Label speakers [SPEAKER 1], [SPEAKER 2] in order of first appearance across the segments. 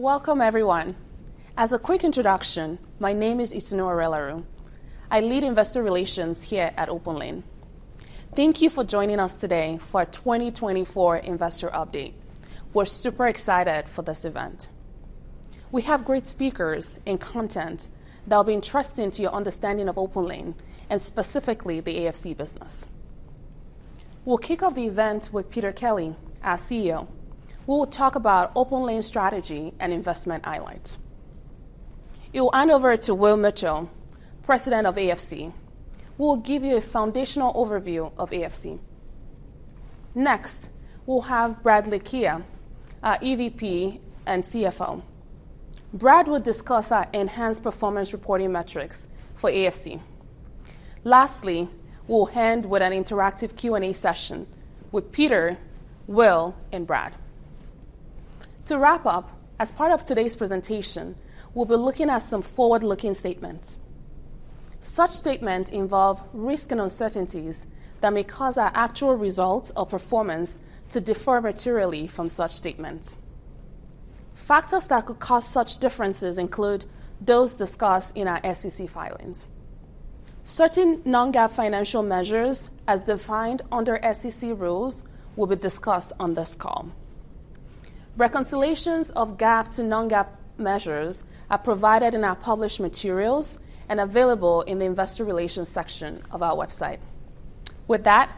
[SPEAKER 1] Welcome, everyone. As a quick introduction, my name is Itunu Orelaja. I lead investor relations here at OpenLane. Thank you for joining us today for our 2024 investor update. We're super excited for this event. We have great speakers and content that will be interesting to your understanding of OpenLane, and specifically the AFC business. We'll kick off the event with Peter Kelly, our CEO. We will talk about OpenLane strategy and investment highlights. It will hand over to Will Mitchell, President of AFC. We will give you a foundational overview of AFC. Next, we'll have Brad Lakhia, our EVP and CFO. Brad will discuss our enhanced performance reporting metrics for AFC. Lastly, we'll end with an interactive Q&A session with Peter, Will, and Brad. To wrap up, as part of today's presentation, we'll be looking at some forward-looking statements. Such statements involve risk and uncertainties that may cause our actual results or performance to differ materially from such statements. Factors that could cause such differences include those discussed in our SEC filings. Certain non-GAAP financial measures, as defined under SEC rules, will be discussed on this call. Reconciliations of GAAP to non-GAAP measures are provided in our published materials and available in the investor relations section of our website. With that,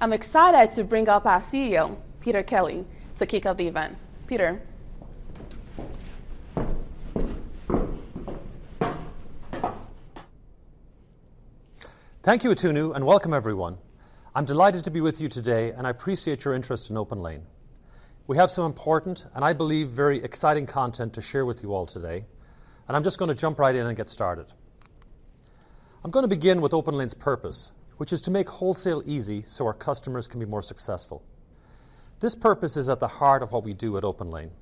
[SPEAKER 1] I'm excited to bring up our CEO, Peter Kelly, to kick off the event. Peter.
[SPEAKER 2] Thank you, Itunu, and welcome, everyone. I'm delighted to be with you today, and I appreciate your interest in OpenLane. We have some important, and I believe very exciting content to share with you all today, and I'm just going to jump right in and get started. I'm going to begin with OpenLane's purpose, which is to make wholesale easy so our customers can be more successful. This purpose is at the heart of what we do at OpenLane.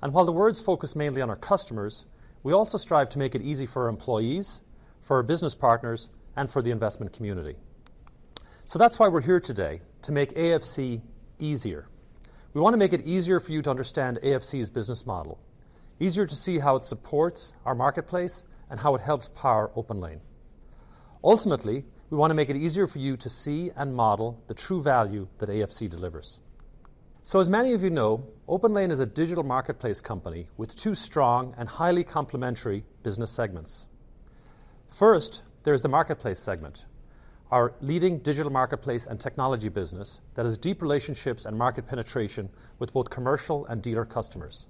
[SPEAKER 2] And while the words focus mainly on our customers, we also strive to make it easy for our employees, for our business partners, and for the investment community. So that's why we're here today, to make AFC easier. We want to make it easier for you to understand AFC's business model, easier to see how it supports our marketplace, and how it helps power OpenLane. Ultimately, we want to make it easier for you to see and model the true value that AFC delivers. So, as many of you know, OpenLane is a digital marketplace company with two strong and highly complementary business segments. First, there is the marketplace segment, our leading digital marketplace and technology business that has deep relationships and market penetration with both commercial and dealer customers.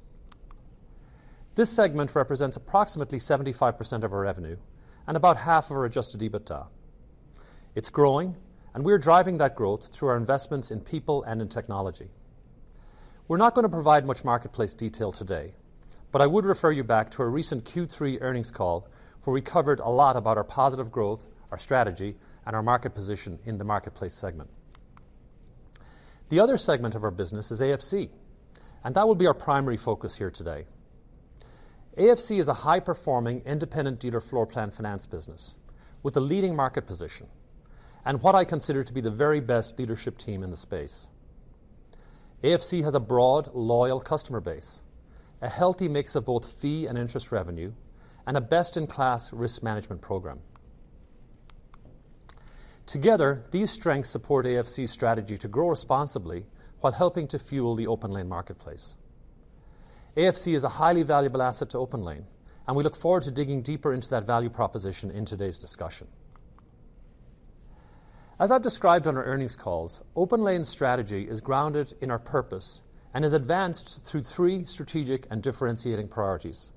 [SPEAKER 2] This segment represents approximately 75% of our revenue and about half of our adjusted EBITDA. It's growing, and we're driving that growth through our investments in people and in technology. We're not going to provide much marketplace detail today, but I would refer you back to our recent Q3 earnings call, where we covered a lot about our positive growth, our strategy, and our market position in the marketplace segment. The other segment of our business is AFC, and that will be our primary focus here today. AFC is a high-performing, independent dealer floor plan finance business with a leading market position and what I consider to be the very best leadership team in the space. AFC has a broad, loyal customer base, a healthy mix of both fee and interest revenue, and a best-in-class risk management program. Together, these strengths support AFC's strategy to grow responsibly while helping to fuel the OpenLane marketplace. AFC is a highly valuable asset to OpenLane, and we look forward to digging deeper into that value proposition in today's discussion. As I've described on our earnings calls, OpenLane's strategy is grounded in our purpose and is advanced through three strategic and differentiating priorities.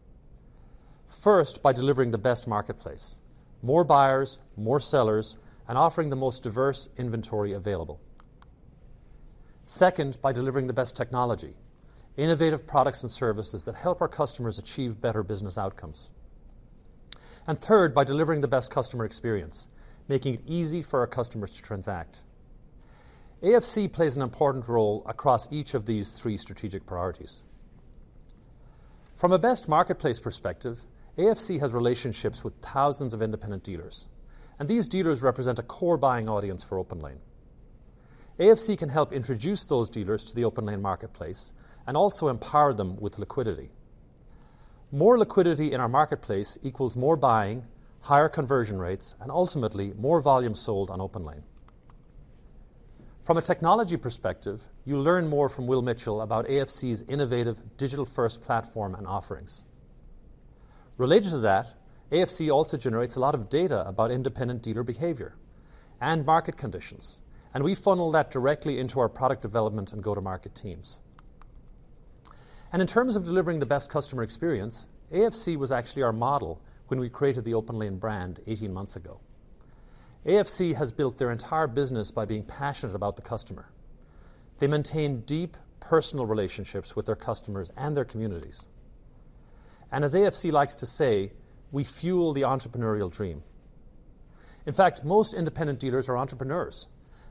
[SPEAKER 2] First, by delivering the best marketplace: more buyers, more sellers, and offering the most diverse inventory available. Second, by delivering the best technology: innovative products and services that help our customers achieve better business outcomes. And third, by delivering the best customer experience, making it easy for our customers to transact. AFC plays an important role across each of these three strategic priorities. From a best marketplace perspective, AFC has relationships with thousands of independent dealers, and these dealers represent a core buying audience for OpenLane. AFC can help introduce those dealers to the OpenLane marketplace and also empower them with liquidity. More liquidity in our marketplace equals more buying, higher conversion rates, and ultimately, more volume sold on OpenLane. From a technology perspective, you'll learn more from Will Mitchell about AFC's innovative digital-first platform and offerings. Related to that, AFC also generates a lot of data about independent dealer behavior and market conditions, and we funnel that directly into our product development and go-to-market teams. In terms of delivering the best customer experience, AFC was actually our model when we created the OpenLane brand 18 months ago. AFC has built their entire business by being passionate about the customer. They maintain deep personal relationships with their customers and their communities. As AFC likes to say, we fuel the entrepreneurial dream. In fact, most independent dealers are entrepreneurs,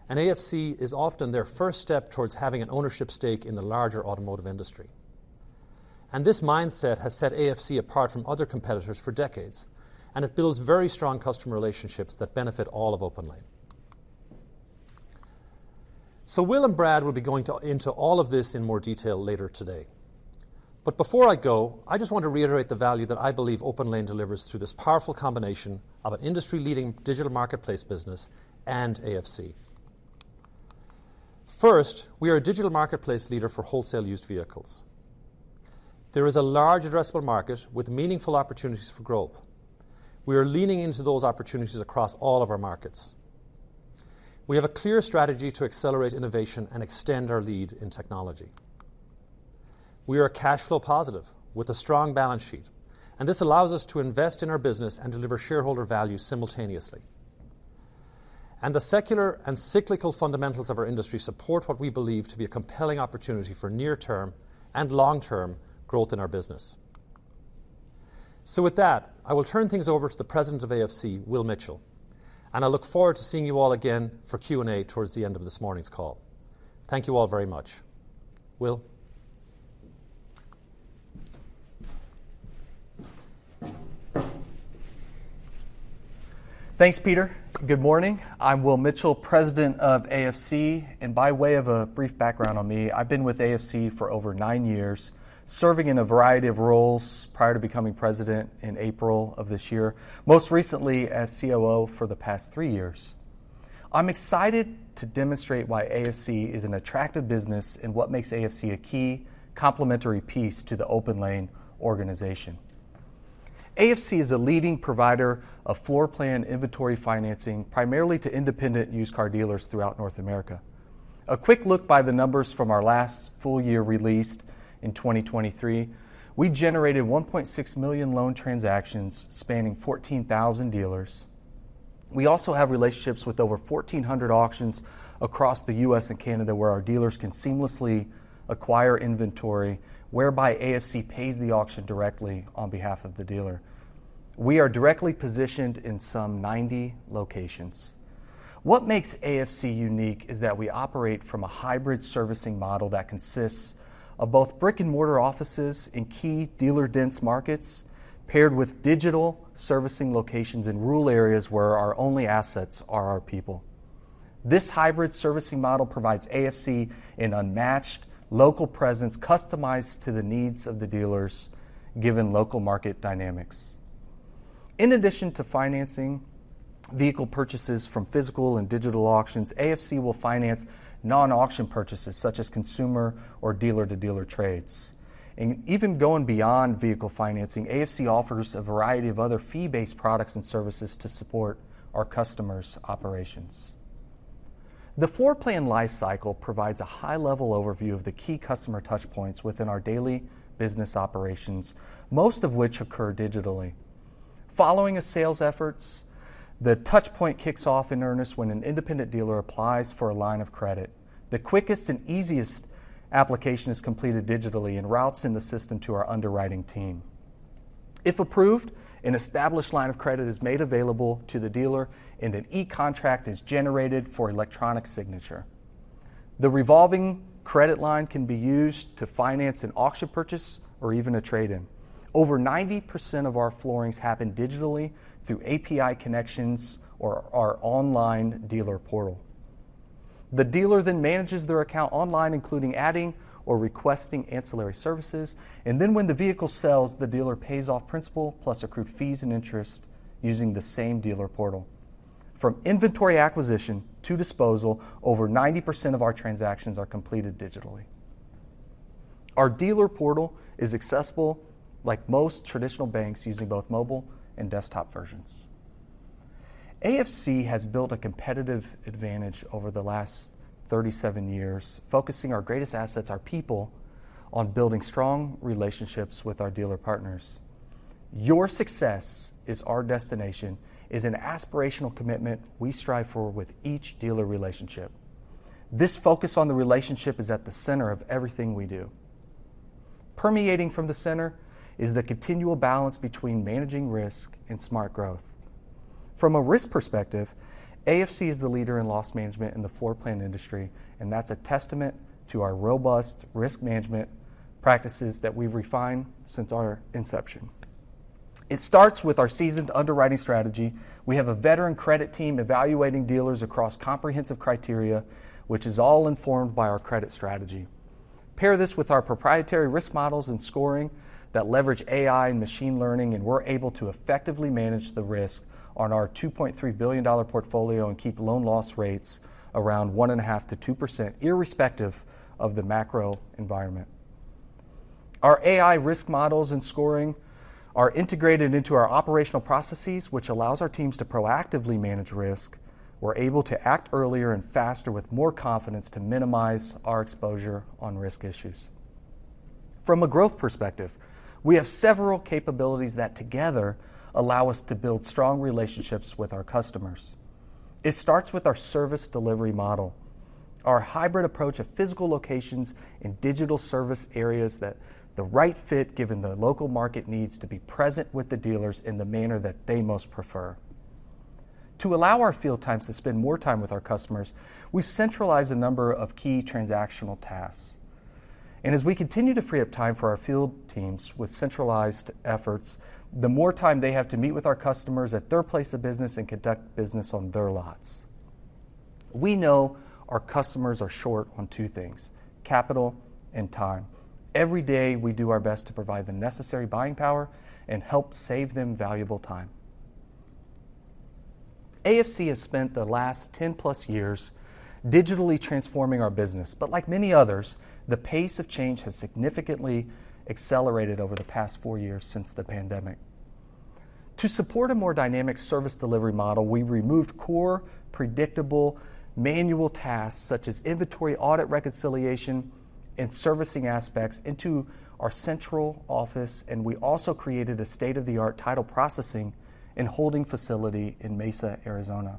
[SPEAKER 2] and AFC is often their first step towards having an ownership stake in the larger automotive industry. This mindset has set AFC apart from other competitors for decades, and it builds very strong customer relationships that benefit all of OpenLane. Will and Brad will be going into all of this in more detail later today. Before I go, I just want to reiterate the value that I believe OpenLane delivers through this powerful combination of an industry-leading digital marketplace business and AFC. First, we are a digital marketplace leader for wholesale used vehicles. There is a large addressable market with meaningful opportunities for growth. We are leaning into those opportunities across all of our markets. We have a clear strategy to accelerate innovation and extend our lead in technology. We are a cash flow positive with a strong balance sheet, and this allows us to invest in our business and deliver shareholder value simultaneously. And the secular and cyclical fundamentals of our industry support what we believe to be a compelling opportunity for near-term and long-term growth in our business. So with that, I will turn things over to the President of AFC, Will Mitchell, and I look forward to seeing you all again for Q&A towards the end of this morning's call. Thank you all very much. Will.
[SPEAKER 3] Thanks, Peter. Good morning. I'm Will Mitchell, President of AFC, and by way of a brief background on me, I've been with AFC for over nine years, serving in a variety of roles prior to becoming President in April of this year, most recently as COO for the past three years. I'm excited to demonstrate why AFC is an attractive business and what makes AFC a key complementary piece to the OpenLane organization. AFC is a leading provider of floor plan inventory financing primarily to independent used car dealers throughout North America. A quick look by the numbers from our last full year released in 2023: we generated 1.6 million loan transactions spanning 14,000 dealers. We also have relationships with over 1,400 auctions across the U.S. and Canada where our dealers can seamlessly acquire inventory, whereby AFC pays the auction directly on behalf of the dealer. We are directly positioned in some 90 locations. What makes AFC unique is that we operate from a hybrid servicing model that consists of both brick-and-mortar offices in key dealer-dense markets, paired with digital servicing locations in rural areas where our only assets are our people. This hybrid servicing model provides AFC an unmatched local presence customized to the needs of the dealers, given local market dynamics. In addition to financing vehicle purchases from physical and digital auctions, AFC will finance non-auction purchases such as consumer or dealer-to-dealer trades, and even going beyond vehicle financing, AFC offers a variety of other fee-based products and services to support our customers' operations. The floor plan lifecycle provides a high-level overview of the key customer touchpoints within our daily business operations, most of which occur digitally. Following sales efforts, the touchpoint kicks off in earnest when an independent dealer applies for a line of credit. The quickest and easiest application is completed digitally and routes in the system to our underwriting team. If approved, an established line of credit is made available to the dealer, and an e-contract is generated for electronic signature. The revolving credit line can be used to finance an auction purchase or even a trade-in. Over 90% of our floorings happen digitally through API connections or our online dealer portal. The dealer then manages their account online, including adding or requesting ancillary services, and then when the vehicle sells, the dealer pays off principal plus accrued fees and interest using the same dealer portal. From inventory acquisition to disposal, over 90% of our transactions are completed digitally. Our dealer portal is accessible like most traditional banks using both mobile and desktop versions. AFC has built a competitive advantage over the last 37 years, focusing our greatest assets, our people, on building strong relationships with our dealer partners. "Your success is our destination" is an aspirational commitment we strive for with each dealer relationship. This focus on the relationship is at the center of everything we do. Permeating from the center is the continual balance between managing risk and smart growth. From a risk perspective, AFC is the leader in loss management in the floor plan industry, and that's a testament to our robust risk management practices that we've refined since our inception. It starts with our seasoned underwriting strategy. We have a veteran credit team evaluating dealers across comprehensive criteria, which is all informed by our credit strategy. Pair this with our proprietary risk models and scoring that leverage AI and machine learning, and we're able to effectively manage the risk on our $2.3 billion portfolio and keep loan loss rates around 1.5%-2%, irrespective of the macro environment. Our AI risk models and scoring are integrated into our operational processes, which allows our teams to proactively manage risk. We're able to act earlier and faster with more confidence to minimize our exposure on risk issues. From a growth perspective, we have several capabilities that together allow us to build strong relationships with our customers. It starts with our service delivery model, our hybrid approach of physical locations and digital service areas that’s the right fit given the local market needs to be present with the dealers in the manner that they most prefer. To allow our field teams to spend more time with our customers, we've centralized a number of key transactional tasks, and as we continue to free up time for our field teams with centralized efforts, the more time they have to meet with our customers at their place of business and conduct business on their lots. We know our customers are short on two things: capital and time. Every day, we do our best to provide the necessary buying power and help save them valuable time. AFC has spent the last 10-plus years digitally transforming our business, but like many others, the pace of change has significantly accelerated over the past four years since the pandemic. To support a more dynamic service delivery model, we removed core, predictable, manual tasks such as inventory audit reconciliation and servicing aspects into our central office, and we also created a state-of-the-art title processing and holding facility in Mesa, Arizona.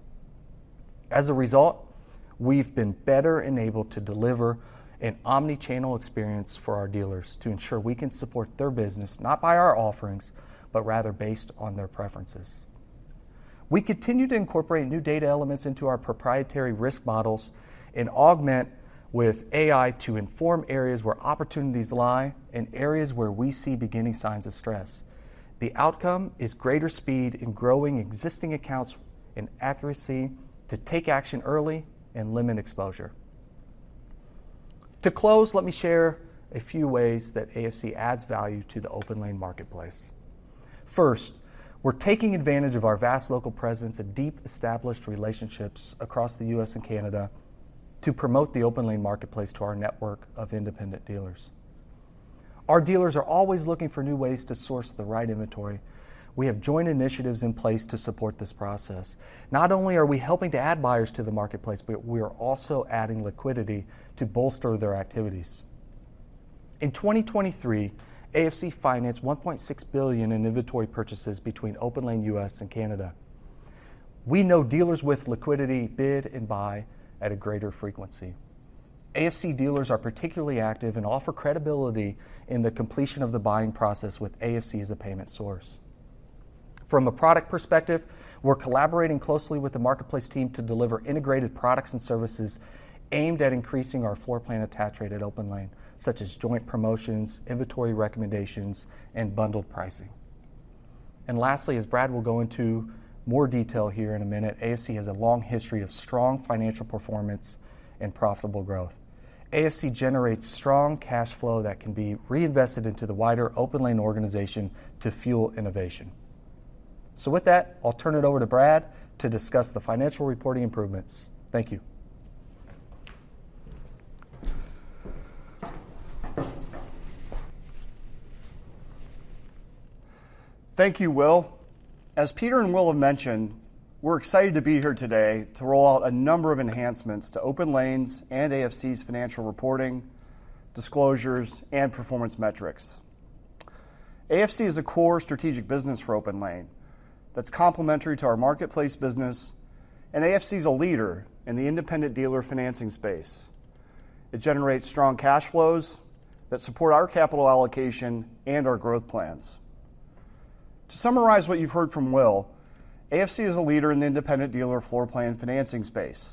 [SPEAKER 3] As a result, we've been better enabled to deliver an omnichannel experience for our dealers to ensure we can support their business not by our offerings, but rather based on their preferences. We continue to incorporate new data elements into our proprietary risk models and augment with AI to inform areas where opportunities lie and areas where we see beginning signs of stress. The outcome is greater speed in growing existing accounts and accuracy to take action early and limit exposure. To close, let me share a few ways that AFC adds value to the OpenLane marketplace. First, we're taking advantage of our vast local presence and deep established relationships across the U.S. and Canada to promote the OpenLane Marketplace to our network of independent dealers. Our dealers are always looking for new ways to source the right inventory. We have joint initiatives in place to support this process. Not only are we helping to add buyers to the marketplace, but we are also adding liquidity to bolster their activities. In 2023, AFC financed $1.6 billion in inventory purchases between OpenLane U.S. and Canada. We know dealers with liquidity bid and buy at a greater frequency. AFC dealers are particularly active and offer credibility in the completion of the buying process with AFC as a payment source. From a product perspective, we're collaborating closely with the marketplace team to deliver integrated products and services aimed at increasing our floor plan attach rate at OpenLane, such as joint promotions, inventory recommendations, and bundled pricing, and lastly, as Brad will go into more detail here in a minute, AFC has a long history of strong financial performance and profitable growth. AFC generates strong cash flow that can be reinvested into the wider OpenLane organization to fuel innovation, so with that, I'll turn it over to Brad to discuss the financial reporting improvements. Thank you.
[SPEAKER 4] Thank you, Will. As Peter and Will have mentioned, we're excited to be here today to roll out a number of enhancements to OpenLane's and AFC's financial reporting, disclosures, and performance metrics. AFC is a core strategic business for OpenLane that's complementary to our marketplace business, and AFC is a leader in the independent dealer financing space. It generates strong cash flows that support our capital allocation and our growth plans. To summarize what you've heard from Will, AFC is a leader in the independent dealer floor plan financing space.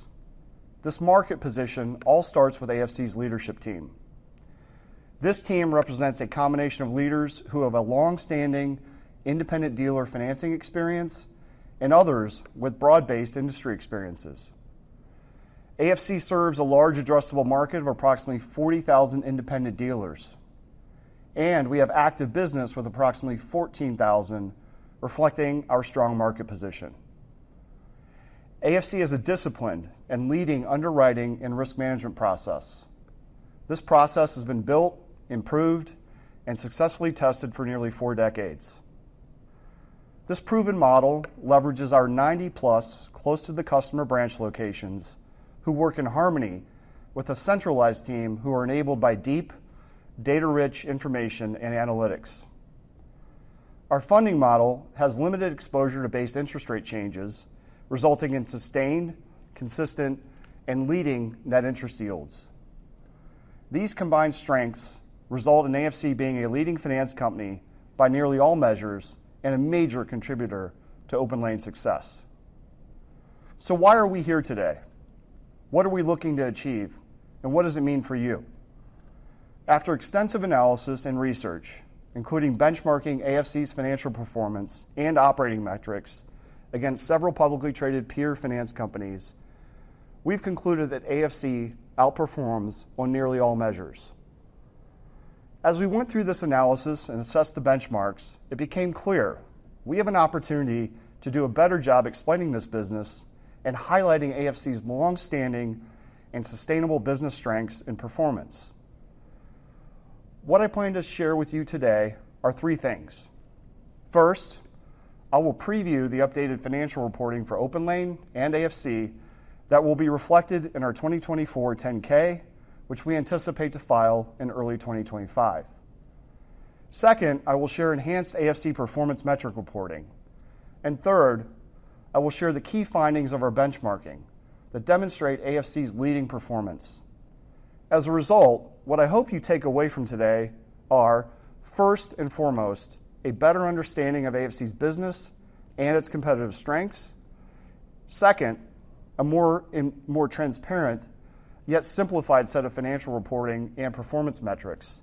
[SPEAKER 4] This market position all starts with AFC's leadership team. This team represents a combination of leaders who have a long-standing independent dealer financing experience and others with broad-based industry experiences. AFC serves a large addressable market of approximately 40,000 independent dealers, and we have active business with approximately 14,000, reflecting our strong market position. AFC is a disciplined and leading underwriting and risk management process. This process has been built, improved, and successfully tested for nearly four decades. This proven model leverages our 90-plus close-to-the-customer branch locations who work in harmony with a centralized team who are enabled by deep, data-rich information and analytics. Our funding model has limited exposure to base interest rate changes, resulting in sustained, consistent, and leading net interest yields. These combined strengths result in AFC being a leading finance company by nearly all measures and a major contributor to OpenLane's success. So why are we here today? What are we looking to achieve, and what does it mean for you? After extensive analysis and research, including benchmarking AFC's financial performance and operating metrics against several publicly traded peer finance companies, we've concluded that AFC outperforms on nearly all measures. As we went through this analysis and assessed the benchmarks, it became clear we have an opportunity to do a better job explaining this business and highlighting AFC's long-standing and sustainable business strengths and performance. What I plan to share with you today are three things. First, I will preview the updated financial reporting for OpenLane and AFC that will be reflected in our 2024 10-K, which we anticipate to file in early 2025. Second, I will share enhanced AFC performance metric reporting, and third, I will share the key findings of our benchmarking that demonstrate AFC's leading performance. As a result, what I hope you take away from today are, first and foremost, a better understanding of AFC's business and its competitive strengths. Second, a more transparent yet simplified set of financial reporting and performance metrics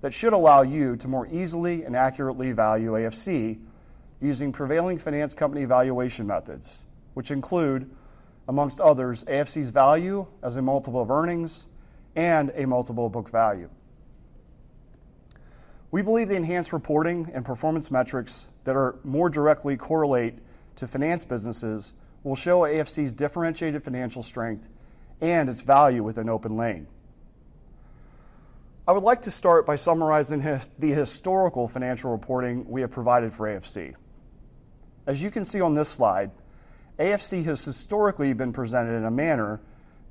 [SPEAKER 4] that should allow you to more easily and accurately value AFC using prevailing finance company valuation methods, which include, amongst others, AFC's value as a multiple of earnings and a multiple of book value. We believe the enhanced reporting and performance metrics that more directly correlate to finance businesses will show AFC's differentiated financial strength and its value within OpenLane. I would like to start by summarizing the historical financial reporting we have provided for AFC. As you can see on this slide, AFC has historically been presented in a manner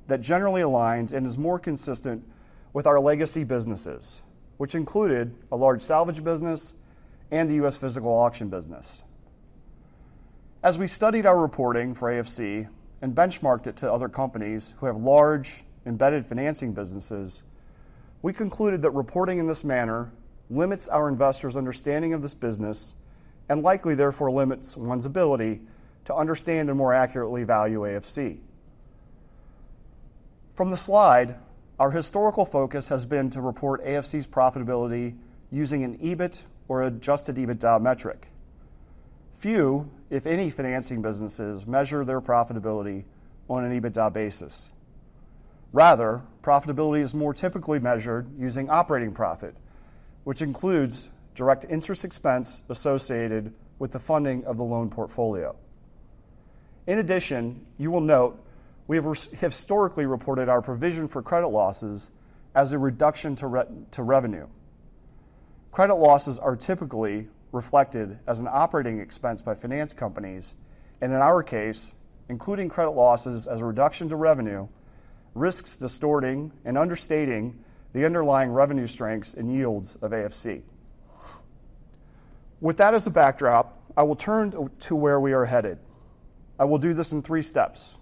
[SPEAKER 4] that generally aligns and is more consistent with our legacy businesses, which included a large salvage business and the U.S. physical auction business. As we studied our reporting for AFC and benchmarked it to other companies who have large embedded financing businesses, we concluded that reporting in this manner limits our investors' understanding of this business and likely, therefore, limits one's ability to understand and more accurately value AFC. From the slide, our historical focus has been to report AFC's profitability using an EBIT or adjusted EBITDA metric. Few, if any, financing businesses measure their profitability on an EBITDA basis. Rather, profitability is more typically measured using operating profit, which includes direct interest expense associated with the funding of the loan portfolio. In addition, you will note we have historically reported our provision for credit losses as a reduction to revenue. Credit losses are typically reflected as an operating expense by finance companies, and in our case, including credit losses as a reduction to revenue, risks distorting and understating the underlying revenue strengths and yields of AFC. With that as a backdrop, I will turn to where we are headed. I will do this in three steps.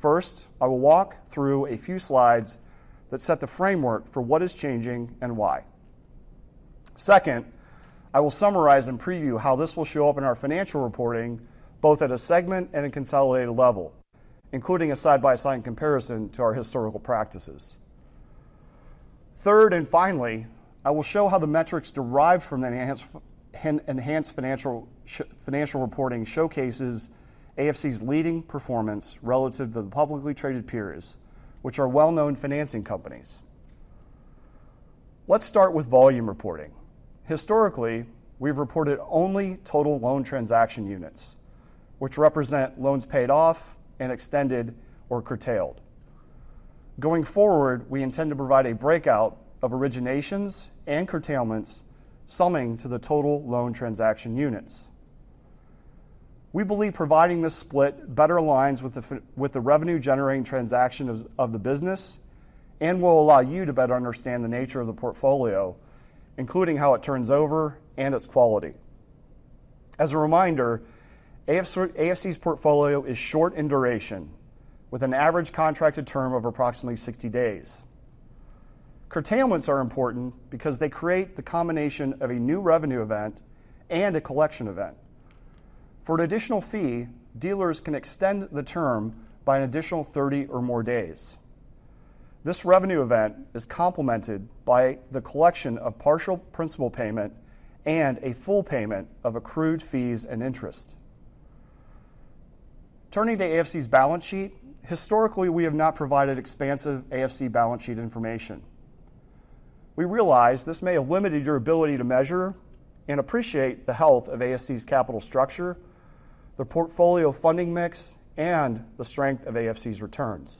[SPEAKER 4] First, I will walk through a few slides that set the framework for what is changing and why. Second, I will summarize and preview how this will show up in our financial reporting, both at a segment and a consolidated level, including a side-by-side comparison to our historical practices. Third and finally, I will show how the metrics derived from the enhanced financial reporting showcases AFC's leading performance relative to the publicly traded peers, which are well-known financing companies. Let's start with volume reporting. Historically, we've reported only total loan transaction units, which represent loans paid off and extended or curtailed. Going forward, we intend to provide a breakout of originations and curtailments summing to the total loan transaction units. We believe providing this split better aligns with the revenue-generating transaction of the business and will allow you to better understand the nature of the portfolio, including how it turns over and its quality. As a reminder, AFC's portfolio is short in duration, with an average contracted term of approximately 60 days. Curtailments are important because they create the combination of a new revenue event and a collection event. For an additional fee, dealers can extend the term by an additional 30 or more days. This revenue event is complemented by the collection of partial principal payment and a full payment of accrued fees and interest. Turning to AFC's balance sheet, historically, we have not provided expansive AFC balance sheet information. We realize this may have limited your ability to measure and appreciate the health of AFC's capital structure, the portfolio funding mix, and the strength of AFC's returns.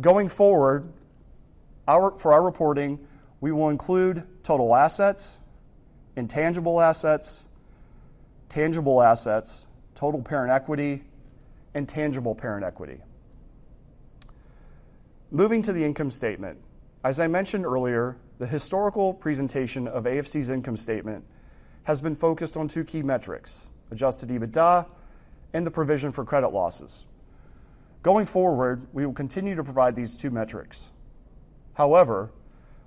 [SPEAKER 4] Going forward, for our reporting, we will include total assets, intangible assets, tangible assets, total parent equity, and tangible parent equity. Moving to the income statement, as I mentioned earlier, the historical presentation of AFC's income statement has been focused on two key metrics: adjusted EBITDA and the provision for credit losses. Going forward, we will continue to provide these two metrics. However,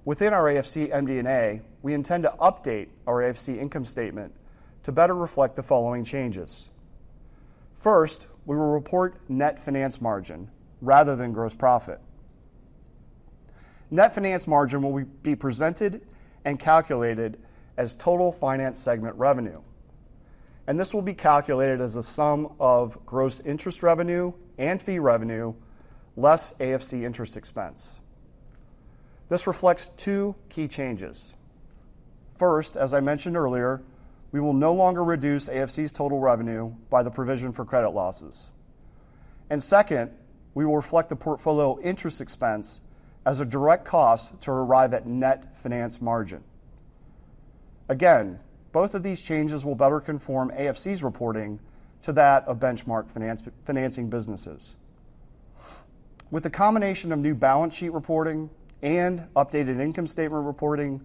[SPEAKER 4] within our AFC MD&A, we intend to update our AFC income statement to better reflect the following changes. First, we will report net finance margin rather than gross profit. Net finance margin will be presented and calculated as total finance segment revenue, and this will be calculated as a sum of gross interest revenue and fee revenue less AFC interest expense. This reflects two key changes. First, as I mentioned earlier, we will no longer reduce AFC's total revenue by the provision for credit losses. And second, we will reflect the portfolio interest expense as a direct cost to arrive at net finance margin. Again, both of these changes will better conform AFC's reporting to that of benchmark financing businesses. With the combination of new balance sheet reporting and updated income statement reporting,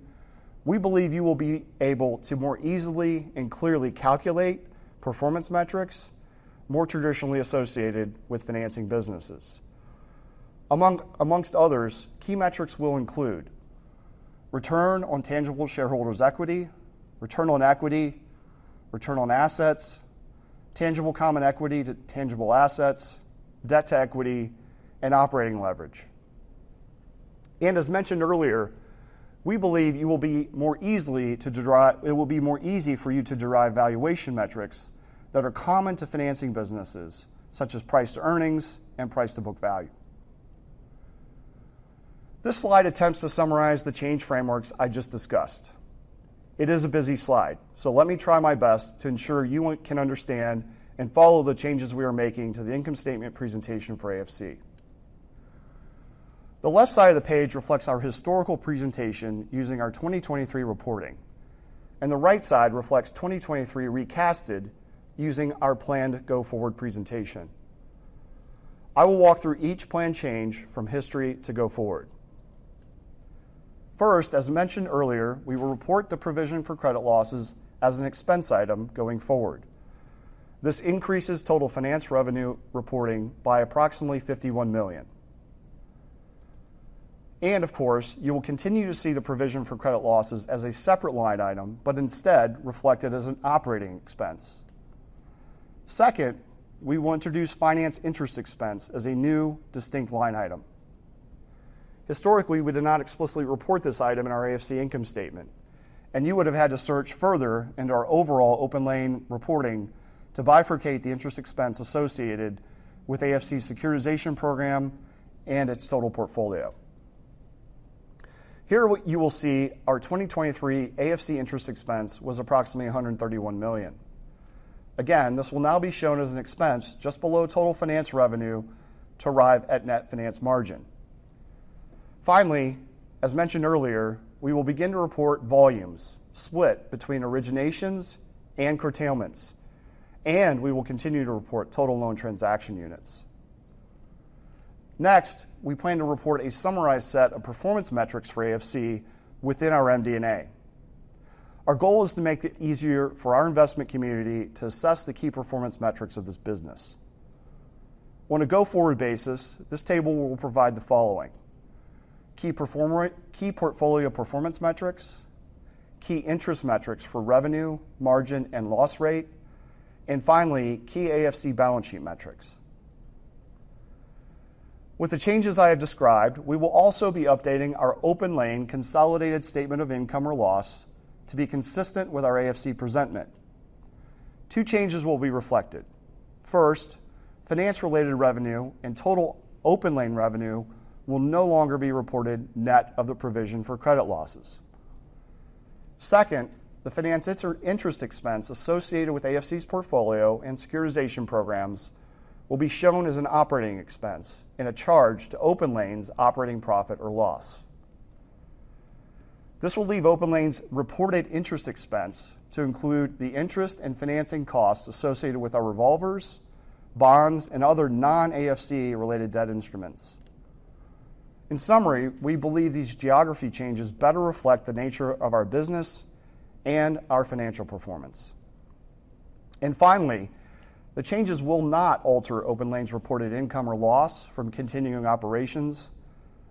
[SPEAKER 4] we believe you will be able to more easily and clearly calculate performance metrics more traditionally associated with financing businesses. Among others, key metrics will include return on tangible shareholders' equity, return on equity, return on assets, tangible common equity to tangible assets, debt to equity, and operating leverage. As mentioned earlier, we believe it will be more easy for you to derive valuation metrics that are common to financing businesses, such as price to earnings and price to book value. This slide attempts to summarize the change frameworks I just discussed. It is a busy slide, so let me try my best to ensure you can understand and follow the changes we are making to the income statement presentation for AFC. The left side of the page reflects our historical presentation using our 2023 reporting, and the right side reflects 2023 recasted using our planned go forward presentation. I will walk through each plan change from history to go forward. First, as mentioned earlier, we will report the provision for credit losses as an expense item going forward. This increases total finance revenue reporting by approximately $51 million. And of course, you will continue to see the provision for credit losses as a separate line item, but instead reflected as an operating expense. Second, we will introduce finance interest expense as a new distinct line item. Historically, we did not explicitly report this item in our AFC income statement, and you would have had to search further into our overall OpenLane reporting to bifurcate the interest expense associated with AFC's securitization program and its total portfolio. Here you will see our 2023 AFC interest expense was approximately $131 million. Again, this will now be shown as an expense just below total finance revenue to arrive at net finance margin. Finally, as mentioned earlier, we will begin to report volumes split between originations and curtailments, and we will continue to report total loan transaction units. Next, we plan to report a summarized set of performance metrics for AFC within our MD&A. Our goal is to make it easier for our investment community to assess the key performance metrics of this business. On a go forward basis, this table will provide the following: key portfolio performance metrics, key interest metrics for revenue, margin, and loss rate, and finally, key AFC balance sheet metrics. With the changes I have described, we will also be updating our OpenLane consolidated statement of income or loss to be consistent with our AFC presentation. Two changes will be reflected. First, finance-related revenue and total OpenLane revenue will no longer be reported net of the provision for credit losses. Second, the finance interest expense associated with AFC's portfolio and securitization programs will be shown as an operating expense and a charge to OpenLane's operating profit or loss. This will leave OpenLane's reported interest expense to include the interest and financing costs associated with our revolvers, bonds, and other non-AFC-related debt instruments. In summary, we believe these geography changes better reflect the nature of our business and our financial performance. And finally, the changes will not alter OpenLane's reported income or loss from continuing operations,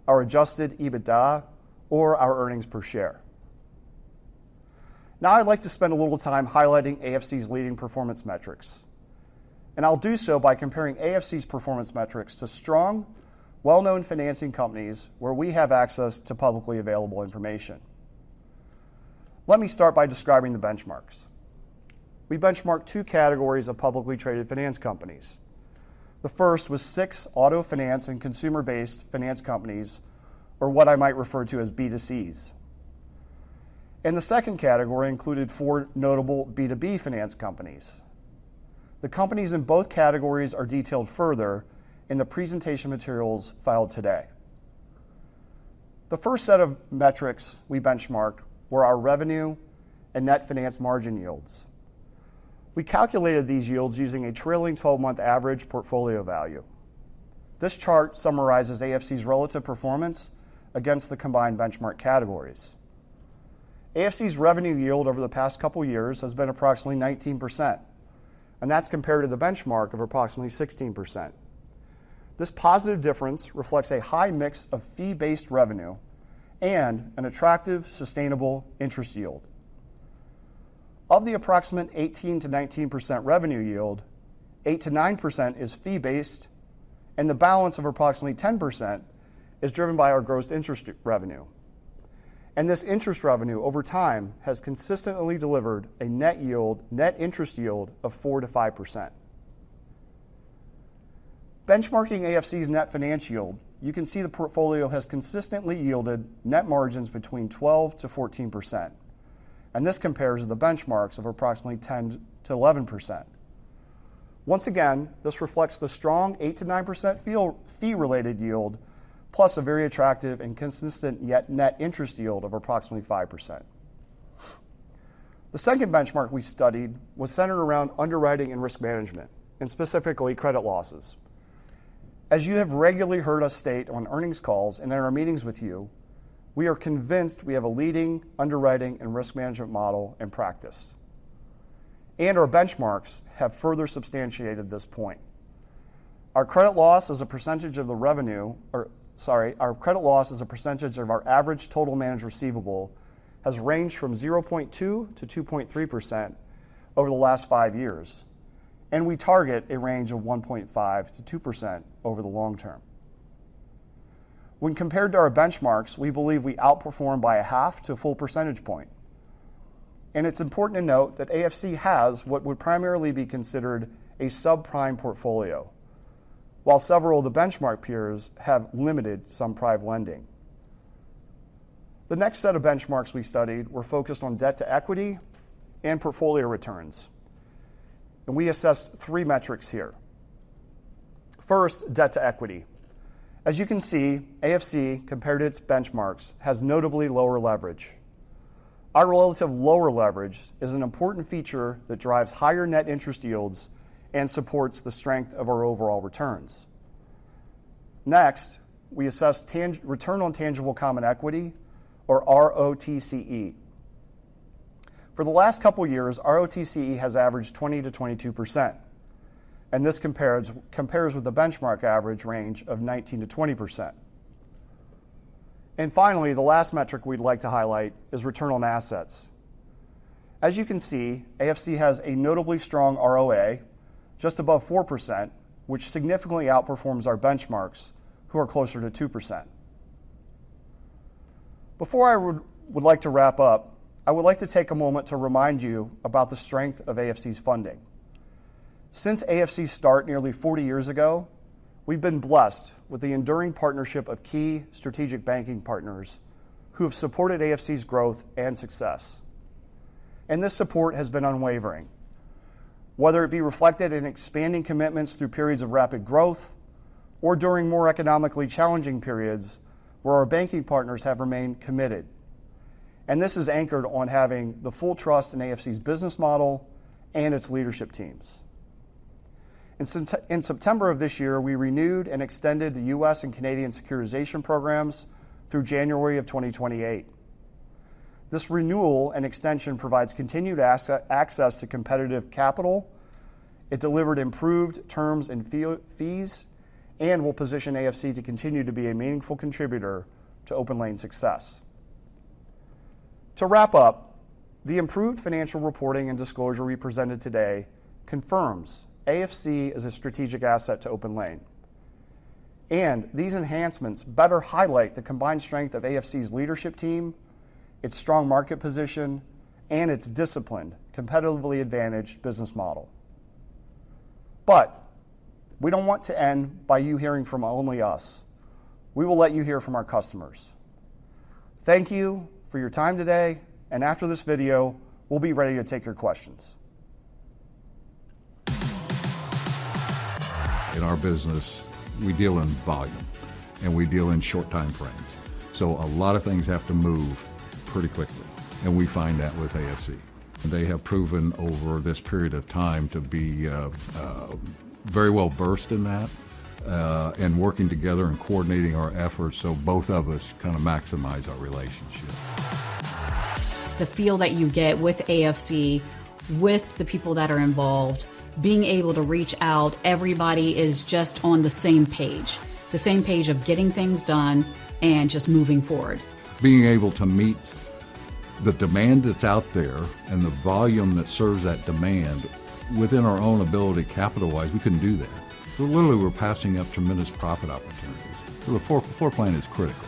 [SPEAKER 4] our adjusted EBITDA, or our earnings per share. Now I'd like to spend a little time highlighting AFC's leading performance metrics, and I'll do so by comparing AFC's performance metrics to strong, well-known financing companies where we have access to publicly available information. Let me start by describing the benchmarks. We benchmarked two categories of publicly traded finance companies. The first was six auto finance and consumer-based finance companies, or what I might refer to as B2Cs, and the second category included four notable B2B finance companies. The companies in both categories are detailed further in the presentation materials filed today. The first set of metrics we benchmarked were our revenue and net finance margin yields. We calculated these yields using a trailing 12-month average portfolio value. This chart summarizes AFC's relative performance against the combined benchmark categories. AFC's revenue yield over the past couple of years has been approximately 19%, and that's compared to the benchmark of approximately 16%. This positive difference reflects a high mix of fee-based revenue and an attractive, sustainable interest yield. Of the approximate 18%-19% revenue yield, 8%-9% is fee-based, and the balance of approximately 10% is driven by our gross interest revenue. This interest revenue over time has consistently delivered a net interest yield of 4%-5%. Benchmarking AFC's net finance yield, you can see the portfolio has consistently yielded net margins between 12%-14%, and this compares to the benchmarks of approximately 10%-11%. Once again, this reflects the strong 8%-9% fee-related yield, plus a very attractive and consistent yet net interest yield of approximately 5%. The second benchmark we studied was centered around underwriting and risk management, and specifically credit losses. As you have regularly heard us state on earnings calls and in our meetings with you, we are convinced we have a leading underwriting and risk management model in practice. Our benchmarks have further substantiated this point. Our credit loss as a percentage of the revenue, or sorry, our credit loss as a percentage of our average total managed receivable has ranged from 0.2%-2.3% over the last five years, and we target a range of 1.5%-2% over the long term. When compared to our benchmarks, we believe we outperform by a half to a full percentage point. It's important to note that AFC has what would primarily be considered a subprime portfolio, while several of the benchmark peers have limited subprime lending. The next set of benchmarks we studied were focused on debt to equity and portfolio returns, and we assessed three metrics here. First, debt to equity. As you can see, AFC, compared to its benchmarks, has notably lower leverage. Our relative lower leverage is an important feature that drives higher net interest yields and supports the strength of our overall returns. Next, we assess return on tangible common equity, or ROTCE. For the last couple of years, ROTCE has averaged 20%-22%, and this compares with the benchmark average range of 19%-20%, and finally, the last metric we'd like to highlight is return on assets. As you can see, AFC has a notably strong ROA, just above 4%, which significantly outperforms our benchmarks, who are closer to 2%. Before I would like to wrap up, I would like to take a moment to remind you about the strength of AFC's funding. Since AFC's start nearly 40 years ago, we've been blessed with the enduring partnership of key strategic banking partners who have supported AFC's growth and success. And this support has been unwavering, whether it be reflected in expanding commitments through periods of rapid growth or during more economically challenging periods where our banking partners have remained committed. And this is anchored on having the full trust in AFC's business model and its leadership teams. In September of this year, we renewed and extended the U.S. and Canadian securitization programs through January of 2028. This renewal and extension provides continued access to competitive capital. It delivered improved terms and fees and will position AFC to continue to be a meaningful contributor to OpenLane's success. To wrap up, the improved financial reporting and disclosure we presented today confirms AFC is a strategic asset to OpenLane. And these enhancements better highlight the combined strength of AFC's leadership team, its strong market position, and its disciplined, competitively advantaged business model. But we don't want to end by you hearing from only us. We will let you hear from our customers. Thank you for your time today, and after this video, we'll be ready to take your questions. In our business, we deal in volume, and we deal in short time frames. So a lot of things have to move pretty quickly, and we find that with AFC. They have proven over this period of time to be very well versed in that and working together and coordinating our efforts so both of us kind of maximize our relationship. The feel that you get with AFC, with the people that are involved, being able to reach out, everybody is just on the same page, the same page of getting things done and just moving forward. Being able to meet the demand that's out there and the volume that serves that demand within our own ability capitalized, we can do that. So literally, we're passing up tremendous profit opportunities. So the floor plan is critical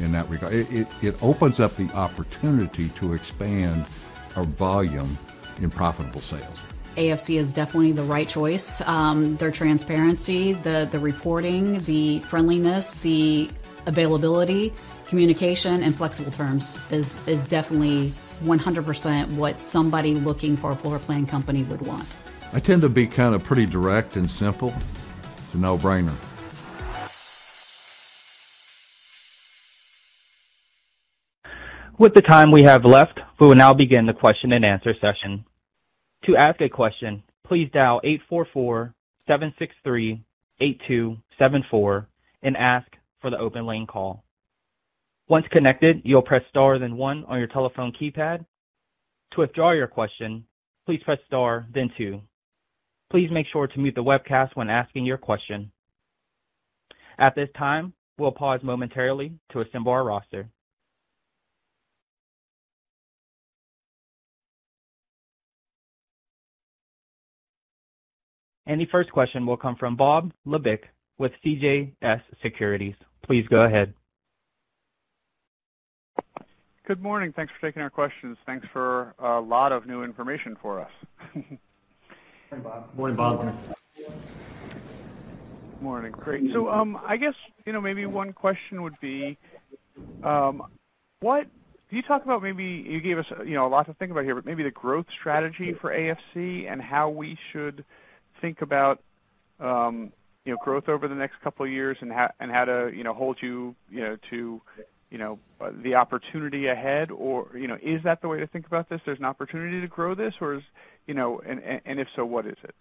[SPEAKER 4] in that regard. It opens up the opportunity to expand our volume in profitable sales. AFC is definitely the right choice. Their transparency, the reporting, the friendliness, the availability, communication, and flexible terms is definitely 100% what somebody looking for a floor plan company would want. I tend to be kind of pretty direct and simple. It's a no-brainer.
[SPEAKER 5] With the time we have left, we will now begin the question and answer session. To ask a question, please dial 844-763-8274 and ask for the OpenLane call. Once connected, you'll press star then one on your telephone keypad. To withdraw your question, please press star then two. Please make sure to mute the webcast when asking your question. At this time, we'll pause momentarily to assemble our roster, and the first question will come from Bob Labick with CJS Securities. Please go ahead.
[SPEAKER 6] Good morning. Thanks for taking our questions. Thanks for a lot of new information for us.
[SPEAKER 3] Morning, Bob. Morning, Bob.
[SPEAKER 6] Morning. Great. So I guess maybe one question would be, can you talk about maybe you gave us a lot to think about here, but maybe the growth strategy for AFC and how we should think about growth over the next couple of years and how to hold you to the opportunity ahead? Or is that the way to think about this? There's an opportunity to grow this, or if so, what is it?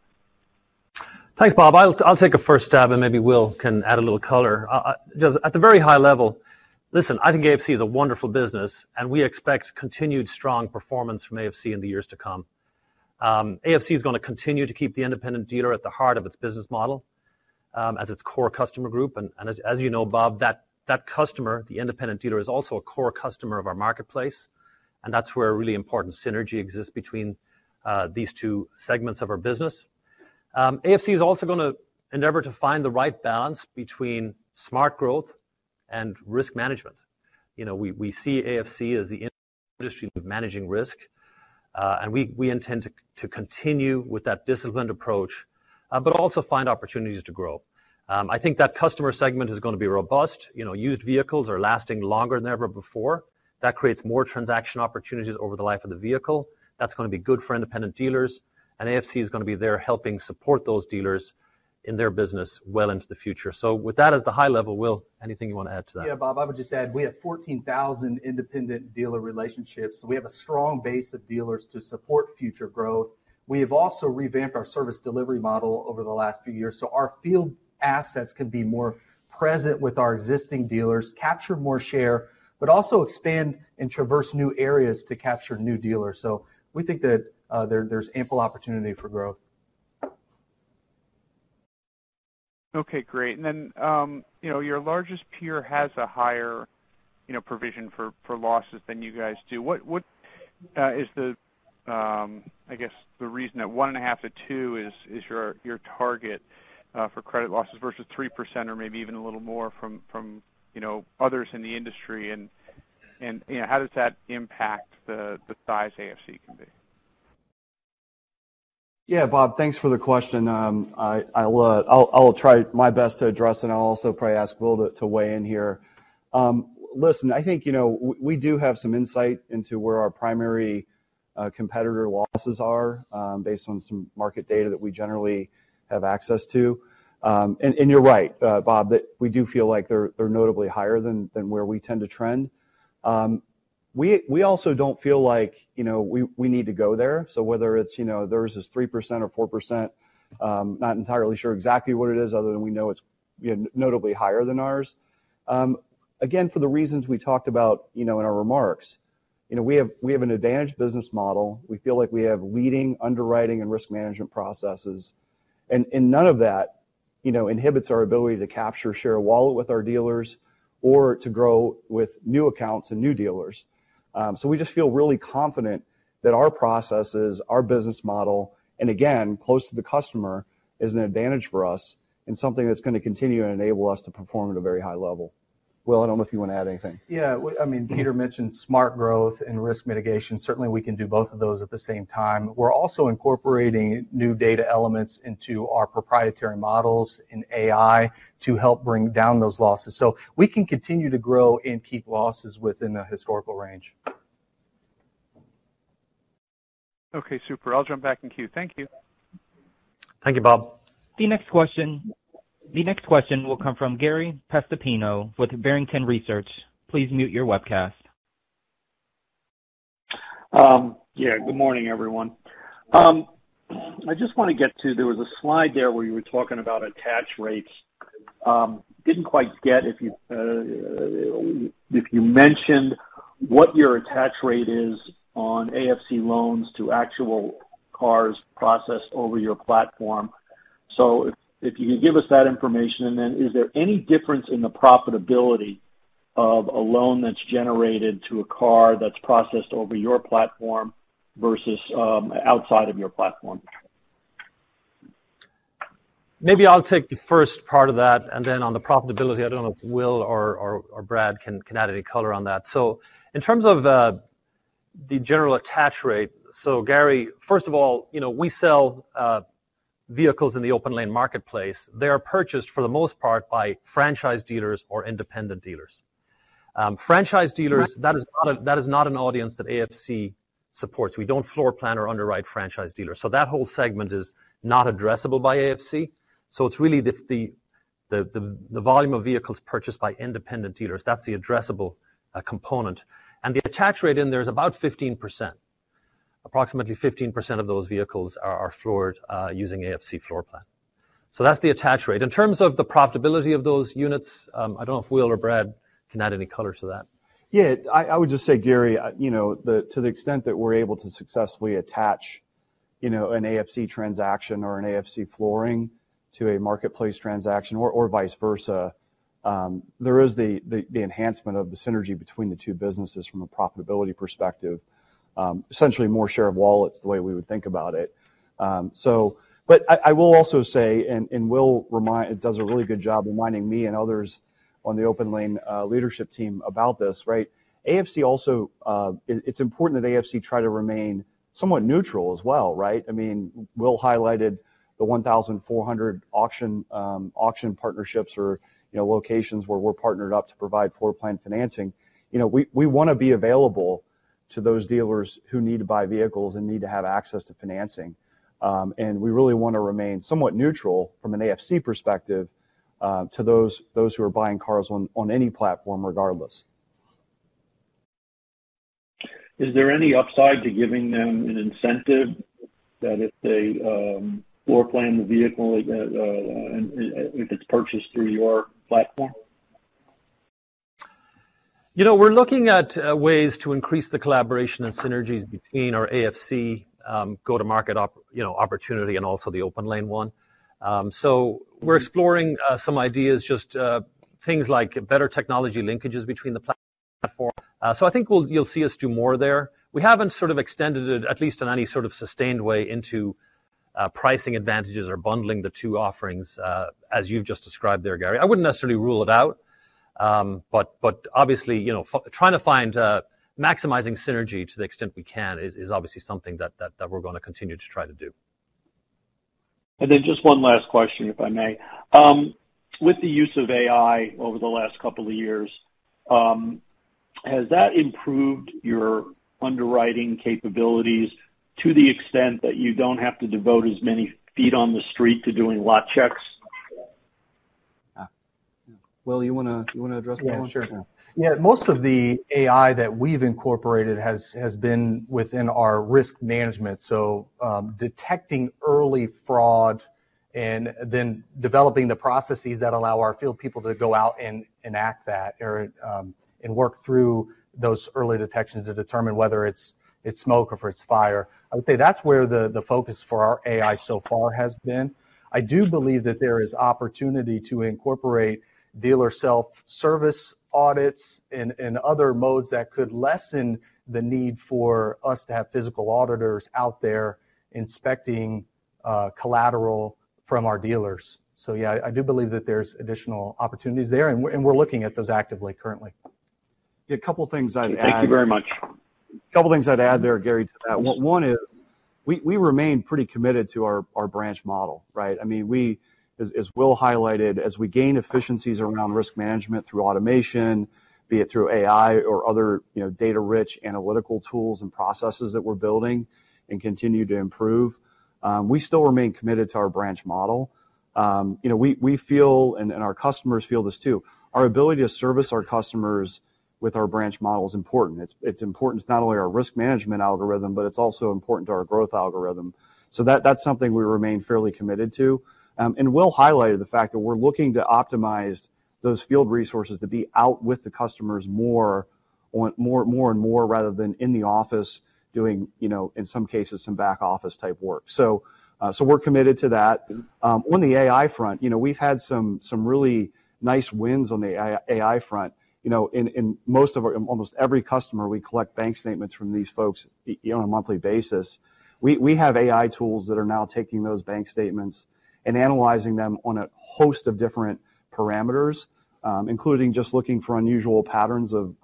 [SPEAKER 4] Thanks, Bob. I'll take a first stab, and maybe Will can add a little color. At the very high level, listen, I think AFC is a wonderful business, and we expect continued strong performance from AFC in the years to come. AFC is going to continue to keep the independent dealer at the heart of its business model as its core customer group. And as you know, Bob, that customer, the independent dealer, is also a core customer of our marketplace, and that's where a really important synergy exists between these two segments of our business. AFC is also going to endeavor to find the right balance between smart growth and risk management. We see AFC as the industry of managing risk, and we intend to continue with that disciplined approach, but also find opportunities to grow. I think that customer segment is going to be robust. Used vehicles are lasting longer than ever before. That creates more transaction opportunities over the life of the vehicle. That's going to be good for independent dealers, and AFC is going to be there helping support those dealers in their business well into the future. So with that as the high level, Will, anything you want to add to that?
[SPEAKER 3] Yeah, Bob, I would just add we have 14,000 independent dealer relationships, so we have a strong base of dealers to support future growth. We have also revamped our service delivery model over the last few years, so our field assets can be more present with our existing dealers, capture more share, but also expand and traverse new areas to capture new dealers. So we think that there's ample opportunity for growth.
[SPEAKER 6] Okay, great. And then your largest peer has a higher provision for losses than you guys do. What is, I guess, the reason that 1.5%-2% is your target for credit losses versus 3% or maybe even a little more from others in the industry? And how does that impact the size AFC can be?
[SPEAKER 2] Yeah, Bob, thanks for the question. I'll try my best to address it, and I'll also probably ask Will to weigh in here. Listen, I think we do have some insight into where our primary competitor losses are based on some market data that we generally have access to. And you're right, Bob, that we do feel like they're notably higher than where we tend to trend. We also don't feel like we need to go there. So whether it's theirs is 3% or 4%, not entirely sure exactly what it is other than we know it's notably higher than ours. Again, for the reasons we talked about in our remarks, we have an advantaged business model. We feel like we have leading underwriting and risk management processes, and none of that inhibits our ability to capture share of wallet with our dealers or to grow with new accounts and new dealers. So we just feel really confident that our processes, our business model, and again, close to the customer is an advantage for us and something that's going to continue and enable us to perform at a very high level. Will, I don't know if you want to add anything.
[SPEAKER 3] Yeah, I mean, Peter mentioned smart growth and risk mitigation. Certainly, we can do both of those at the same time. We're also incorporating new data elements into our proprietary models in AI to help bring down those losses. So we can continue to grow and keep losses within a historical range.
[SPEAKER 6] Okay, super. I'll jump back in queue. Thank you.
[SPEAKER 2] Thank you, Bob.
[SPEAKER 5] The next question will come from Gary Prestopino with Barrington Research. Please mute your webcast.
[SPEAKER 7] Yeah, good morning, everyone. I just want to get to there was a slide there where you were talking about attach rates. Didn't quite get if you mentioned what your attach rate is on AFC loans to actual cars processed over your platform. So if you could give us that information, and then is there any difference in the profitability of a loan that's generated to a car that's processed over your platform versus outside of your platform?
[SPEAKER 2] Maybe I'll take the first part of that, and then on the profitability, I don't know if Will or Brad can add any color on that. In terms of the general attach rate, Gary, first of all, we sell vehicles in the OpenLane marketplace. They are purchased for the most part by franchise dealers or independent dealers. Franchise dealers, that is not an audience that AFC supports. We don't floor plan or underwrite franchise dealers. So that whole segment is not addressable by AFC. So it's really the volume of vehicles purchased by independent dealers. That's the addressable component. And the attach rate in there is about 15%. Approximately 15% of those vehicles are floored using AFC floor plan. So that's the attach rate. In terms of the profitability of those units, I don't know if Will or Brad can add any color to that.
[SPEAKER 4] Yeah, I would just say, Gary, to the extent that we're able to successfully attach an AFC transaction or an AFC flooring to a marketplace transaction or vice versa, there is the enhancement of the synergy between the two businesses from a profitability perspective. Essentially, more share of wallets, the way we would think about it. But I will also say, and Will does a really good job reminding me and others on the OpenLane leadership team about this, right? AFC also, it's important that AFC try to remain somewhat neutral as well, right? I mean, Will highlighted the 1,400 auction partnerships or locations where we're partnered up to provide floor plan financing. We want to be available to those dealers who need to buy vehicles and need to have access to financing. And we really want to remain somewhat neutral from an AFC perspective to those who are buying cars on any platform regardless.
[SPEAKER 7] Is there any upside to giving them an incentive that if they floor plan the vehicle if it's purchased through your platform?
[SPEAKER 4] We're looking at ways to increase the collaboration and synergies between our AFC go-to-market opportunity and also the OpenLane one. So we're exploring some ideas, just things like better technology linkages between the platform. So I think you'll see us do more there. We haven't sort of extended it, at least in any sort of sustained way, into pricing advantages or bundling the two offerings as you've just described there, Gary. I wouldn't necessarily rule it out, but obviously, trying to find maximizing synergy to the extent we can is obviously something that we're going to continue to try to do.
[SPEAKER 7] Then just one last question, if I may. With the use of AI over the last couple of years, has that improved your underwriting capabilities to the extent that you don't have to devote as many feet on the street to doing lot checks?
[SPEAKER 4] Will, you want to address that one?
[SPEAKER 3] Yeah, sure. Yeah, most of the AI that we've incorporated has been within our risk management. So detecting early fraud and then developing the processes that allow our field people to go out and enact that and work through those early detections to determine whether it's smoke or if it's fire. I would say that's where the focus for our AI so far has been. I do believe that there is opportunity to incorporate dealer self-service audits and other modes that could lessen the need for us to have physical auditors out there inspecting collateral from our dealers. So yeah, I do believe that there's additional opportunities there, and we're looking at those actively currently. Yeah, a couple of things I'd add.
[SPEAKER 7] Thank you very much.
[SPEAKER 4] A couple of things I'd add there, Gary, to that. One is we remain pretty committed to our branch model, right? I mean, as Will highlighted, as we gain efficiencies around risk management through automation, be it through AI or other data-rich analytical tools and processes that we're building and continue to improve, we still remain committed to our branch model. We feel, and our customers feel this too, our ability to service our customers with our branch model is important. It's important to not only our risk management algorithm, but it's also important to our growth algorithm. So that's something we remain fairly committed to. Will highlighted the fact that we're looking to optimize those field resources to be out with the customers more and more rather than in the office doing, in some cases, some back-office type work. So we're committed to that. On the AI front, we've had some really nice wins on the AI front. In almost every customer, we collect bank statements from these folks on a monthly basis. We have AI tools that are now taking those bank statements and analyzing them on a host of different parameters, including just looking for unusual patterns of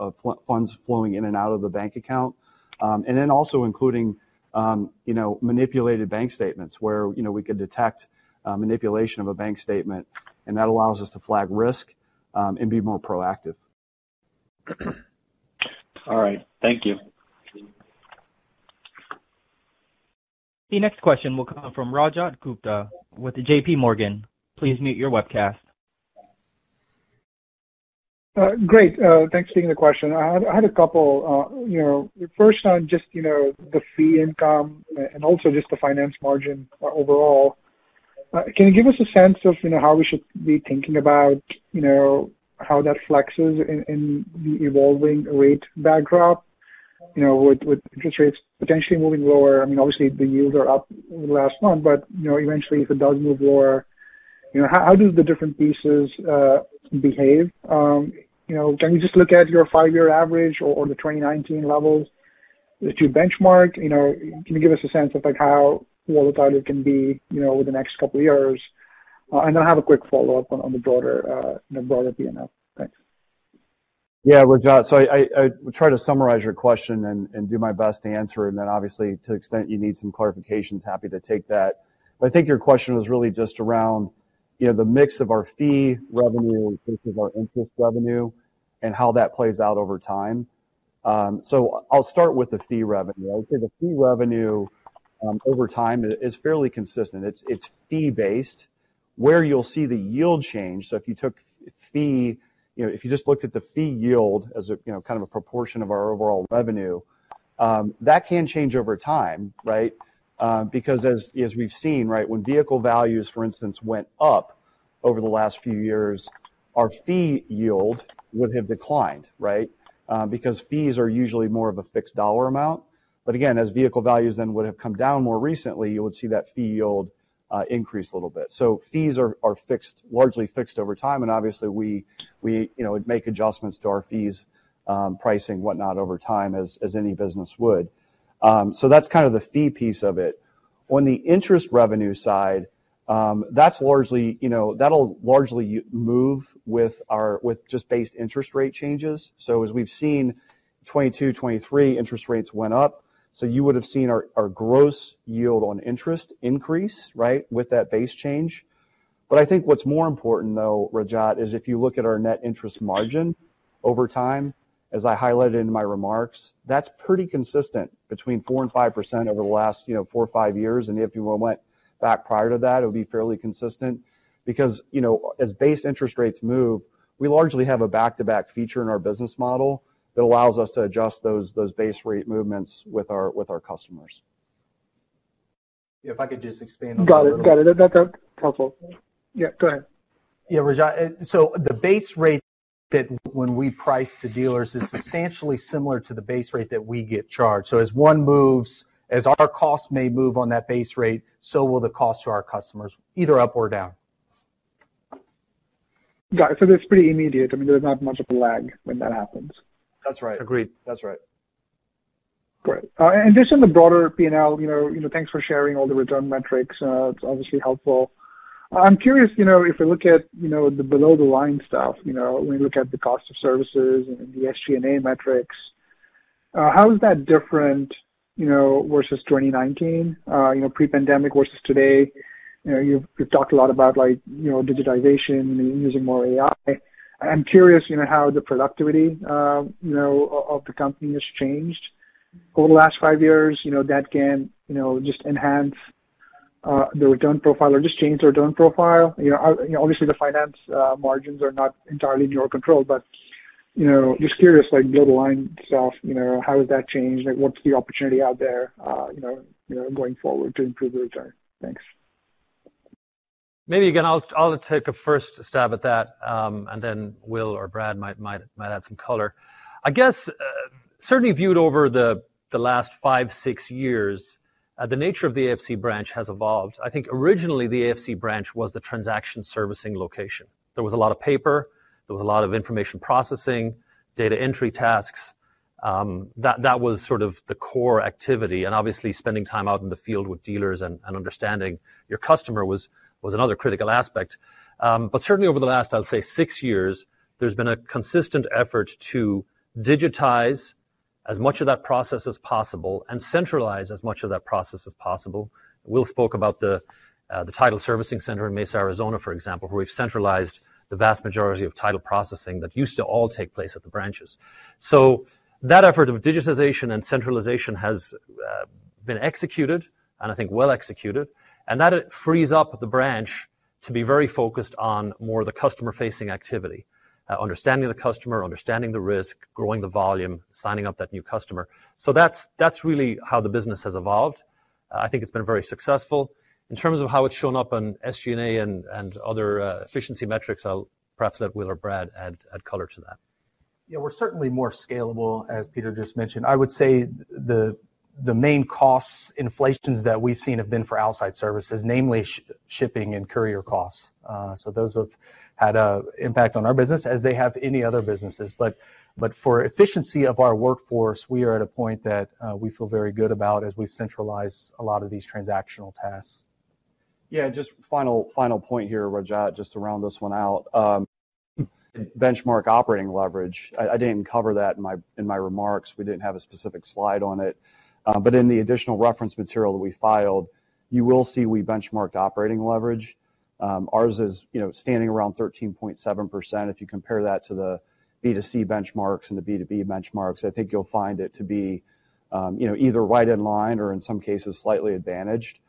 [SPEAKER 4] funds flowing in and out of the bank account. And then also including manipulated bank statements where we can detect manipulation of a bank statement, and that allows us to flag risk and be more proactive.
[SPEAKER 7] All right. Thank you.
[SPEAKER 5] The next question will come from Rajat Gupta with J.P. Morgan. Please mute your webcast.
[SPEAKER 8] Great. Thanks for taking the question. I had a couple. First, on just the fee income and also just the finance margin overall, can you give us a sense of how we should be thinking about how that flexes in the evolving rate backdrop with interest rates potentially moving lower? I mean, obviously, the yields are up over the last month, but eventually, if it does move lower, how do the different pieces behave? Can we just look at your five-year average or the 2019 levels that you benchmark? Can you give us a sense of how volatile it can be over the next couple of years? And then I have a quick follow-up on the broader P&L. Thanks.
[SPEAKER 4] Yeah, Rajat, so I would try to summarize your question and do my best to answer. And then, obviously, to the extent you need some clarifications, happy to take that. But I think your question was really just around the mix of our fee revenue versus our interest revenue and how that plays out over time. So I'll start with the fee revenue. I would say the fee revenue over time is fairly consistent. It's fee-based, where you'll see the yield change. So if you took fee, if you just looked at the fee yield as kind of a proportion of our overall revenue, that can change over time, right? Because as we've seen, right, when vehicle values, for instance, went up over the last few years, our fee yield would have declined, right? Because fees are usually more of a fixed dollar amount. But again, as vehicle values then would have come down more recently, you would see that fee yield increase a little bit. So fees are largely fixed over time, and obviously, we would make adjustments to our fees, pricing, whatnot over time as any business would. So that's kind of the fee piece of it. On the interest revenue side, that'll largely move with just based interest rate changes. So as we've seen, 2022, 2023, interest rates went up. So you would have seen our gross yield on interest increase, right, with that base change. But I think what's more important, though, Rajat, is if you look at our net interest margin over time, as I highlighted in my remarks, that's pretty consistent between 4% and 5% over the last four or five years. And if you went back prior to that, it would be fairly consistent. Because as base interest rates move, we largely have a back-to-back feature in our business model that allows us to adjust those base rate movements with our customers. If I could just expand on that.
[SPEAKER 8] Got it. Got it. That's helpful. Yeah, go ahead.
[SPEAKER 4] Yeah, Rajat. So the base rate that when we price to dealers is substantially similar to the base rate that we get charged. So as one moves, as our costs may move on that base rate, so will the costs to our customers, either up or down.
[SPEAKER 8] Got it. So that's pretty immediate. I mean, there's not much of a lag when that happens.
[SPEAKER 4] That's right. Agreed. That's right. Great.
[SPEAKER 8] In addition, the broader P&L, thanks for sharing all the return metrics. It's obviously helpful. I'm curious if we look at the below-the-line stuff, when we look at the cost of services and the SG&A metrics, how is that different versus 2019, pre-pandemic versus today? You've talked a lot about digitization and using more AI. I'm curious how the productivity of the company has changed over the last five years. That can just enhance the return profile or just change the return profile. Obviously, the finance margins are not entirely in your control, but just curious, below-the-line stuff, how has that changed? What's the opportunity out there going forward to improve the return? Thanks.
[SPEAKER 2] Maybe, again, I'll take a first stab at that, and then Will or Brad might add some color. I guess, certainly viewed over the last five, six years, the nature of the AFC branch has evolved. I think originally the AFC branch was the transaction servicing location. There was a lot of paper. There was a lot of information processing, data entry tasks. That was sort of the core activity, and obviously, spending time out in the field with dealers and understanding your customer was another critical aspect, but certainly, over the last, I'll say, six years, there's been a consistent effort to digitize as much of that process as possible and centralize as much of that process as possible. Will spoke about the title servicing center in Mesa, Arizona, for example, where we've centralized the vast majority of title processing that used to all take place at the branches, so that effort of digitization and centralization has been executed, and I think well executed, and that frees up the branch to be very focused on more of the customer-facing activity, understanding the customer, understanding the risk, growing the volume, signing up that new customer. So that's really how the business has evolved. I think it's been very successful. In terms of how it's shown up on SG&A and other efficiency metrics, I'll perhaps let Will or Brad add color to that.
[SPEAKER 4] Yeah, we're certainly more scalable, as Peter just mentioned. I would say the main cost inflations that we've seen have been for outside services, namely shipping and courier costs. So those have had an impact on our business as they have any other businesses. But for efficiency of our workforce, we are at a point that we feel very good about as we've centralized a lot of these transactional tasks. Yeah, just final point here, Rajat, just to round this one out. Benchmark operating leverage. I didn't cover that in my remarks. We didn't have a specific slide on it. But in the additional reference material that we filed, you will see we benchmarked operating leverage. Ours is standing around 13.7%. If you compare that to the B2C benchmarks and the B2B benchmarks, I think you'll find it to be either right in line or, in some cases, slightly advantaged.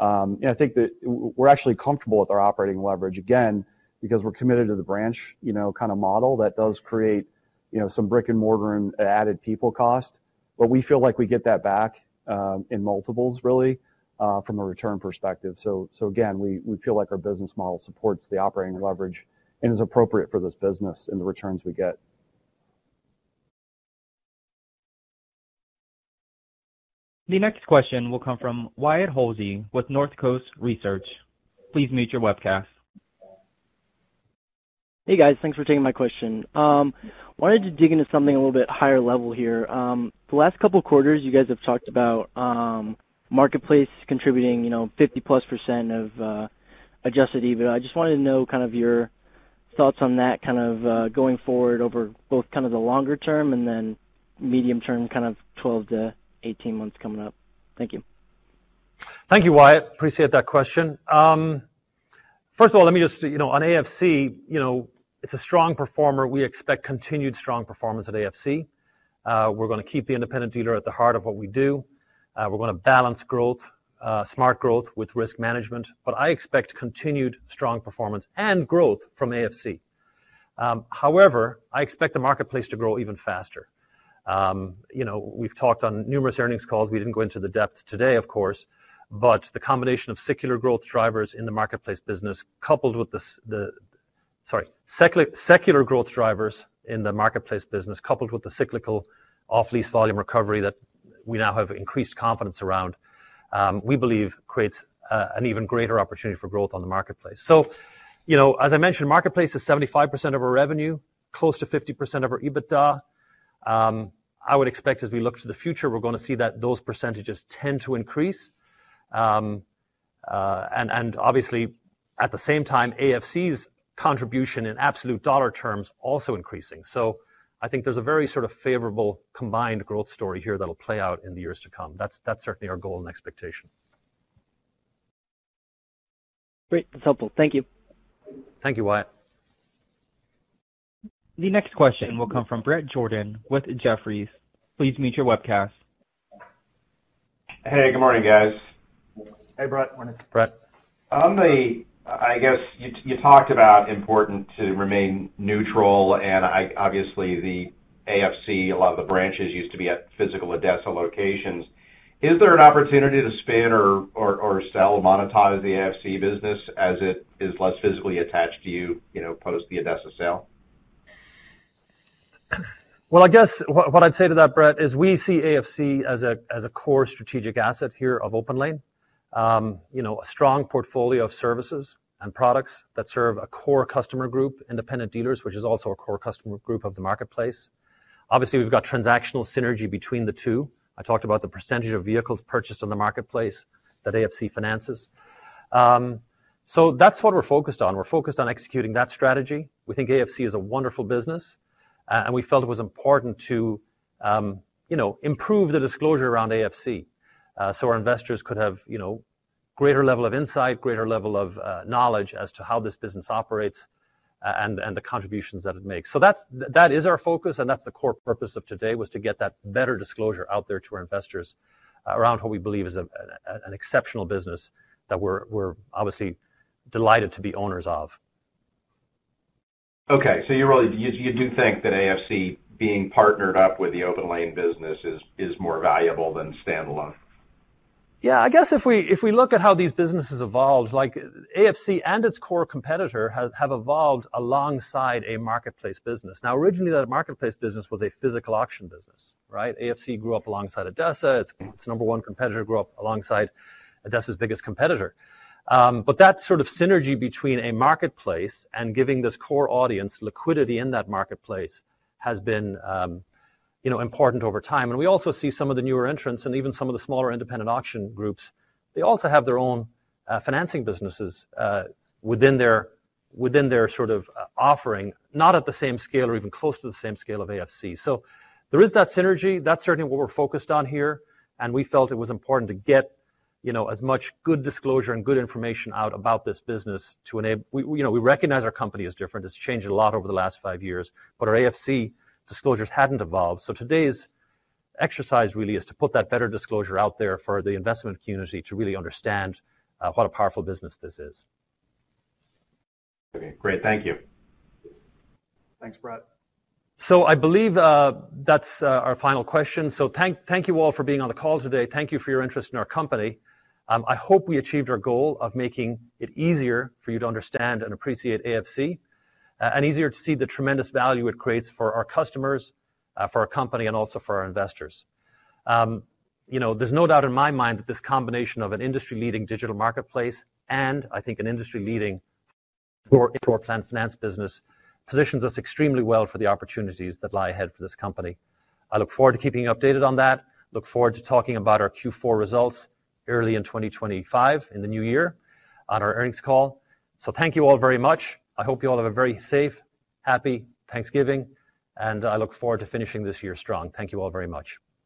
[SPEAKER 4] And I think that we're actually comfortable with our operating leverage, again, because we're committed to the branch kind of model that does create some brick-and-mortar and added people cost. But we feel like we get that back in multiples, really, from a return perspective. So again, we feel like our business model supports the operating leverage and is appropriate for this business and the returns we get.
[SPEAKER 5] The next question will come from Wyatt Hulsey with North Coast Research. Please mute your webcast.
[SPEAKER 9] Hey, guys. Thanks for taking my question. Wanted to dig into something a little bit higher level here. The last couple of quarters, you guys have talked about marketplace contributing 50-plus% of adjusted EBITDA. I just wanted to know kind of your thoughts on that kind of going forward over both kind of the longer term and then medium term, kind of 12 to 18 months coming up. Thank you.
[SPEAKER 2] Thank you, Wyatt. Appreciate that question. First of all, let me just say, on AFC, it's a strong performer. We expect continued strong performance at AFC. We're going to keep the independent dealer at the heart of what we do. We're going to balance growth, smart growth with risk management. But I expect continued strong performance and growth from AFC. However, I expect the marketplace to grow even faster. We've talked on numerous earnings calls. We didn't go into the depth today, of course. But the combination of secular growth drivers in the marketplace business, coupled with the cyclical off-lease volume recovery that we now have increased confidence around, we believe creates an even greater opportunity for growth on the marketplace. So as I mentioned, marketplace is 75% of our revenue, close to 50% of our EBITDA. I would expect as we look to the future, we're going to see that those percentages tend to increase. And obviously, at the same time, AFC's contribution in absolute dollar terms is also increasing. So I think there's a very sort of favorable combined growth story here that'll play out in the years to come. That's certainly our goal and expectation.
[SPEAKER 9] Great. That's helpful. Thank you.
[SPEAKER 2] Thank you, Wyatt.
[SPEAKER 5] The next question will come from Bret Jordan with Jefferies. Please mute your webcast.
[SPEAKER 10] Hey, good morning, guys.
[SPEAKER 4] Hey, Bret. Morning. Bret.
[SPEAKER 10] I guess you talked about it's important to remain neutral. And obviously, the AFC, a lot of the branches used to be at physical ADESA locations. Is there an opportunity to spin or sell, monetize the AFC business as it is less physically attached to you post the ADESA sale?
[SPEAKER 2] Well, I guess what I'd say to that, Bret, is we see AFC as a core strategic asset here of OpenLane, a strong portfolio of services and products that serve a core customer group, independent dealers, which is also a core customer group of the marketplace. Obviously, we've got transactional synergy between the two. I talked about the percentage of vehicles purchased on the marketplace that AFC finances. So that's what we're focused on. We're focused on executing that strategy. We think AFC is a wonderful business. We felt it was important to improve the disclosure around AFC so our investors could have a greater level of insight, a greater level of knowledge as to how this business operates and the contributions that it makes. So that is our focus. And that's the core purpose of today, was to get that better disclosure out there to our investors around what we believe is an exceptional business that we're obviously delighted to be owners of.
[SPEAKER 10] Okay. So you do think that AFC being partnered up with the OpenLane business is more valuable than standalone?
[SPEAKER 2] Yeah. I guess if we look at how these businesses evolved, AFC and its core competitor have evolved alongside a marketplace business. Now, originally, that marketplace business was a physical auction business, right? AFC grew up alongside ADESA. Its number one competitor grew up alongside ADESA's biggest competitor. But that sort of synergy between a marketplace and giving this core audience liquidity in that marketplace has been important over time. And we also see some of the newer entrants and even some of the smaller independent auction groups, they also have their own financing businesses within their sort of offering, not at the same scale or even close to the same scale of AFC. So there is that synergy. That's certainly what we're focused on here. And we felt it was important to get as much good disclosure and good information out about this business to enable, we recognize our company is different. It's changed a lot over the last five years. But our AFC disclosures hadn't evolved. So today's exercise really is to put that better disclosure out there for the investment community to really understand what a powerful business this is.
[SPEAKER 10] Okay. Great. Thank you
[SPEAKER 2] Thanks, Brett. So I believe that's our final question. So thank you all for being on the call today. Thank you for your interest in our company. I hope we achieved our goal of making it easier for you to understand and appreciate AFC and easier to see the tremendous value it creates for our customers, for our company, and also for our investors. There's no doubt in my mind that this combination of an industry-leading digital marketplace and, I think, an industry-leading floor plan finance business positions us extremely well for the opportunities that lie ahead for this company. I look forward to keeping you updated on that. Look forward to talking about our Q4 results early in 2025 in the new year on our earnings call. So thank you all very much. I hope you all have a very safe, happy Thanksgiving. I look forward to finishing this year strong. Thank you all very much.